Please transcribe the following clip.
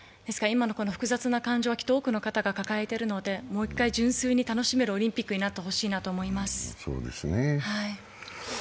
今の複雑な感情は、きっと多くの方が抱えているので、もう一回、純粋に楽しめるオリンピックになってほしいと思います。